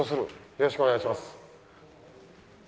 よろしくお願いします。